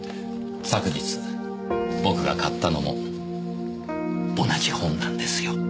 昨日僕が買ったのも同じ本なんですよ。